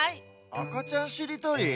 あかちゃんしりとり？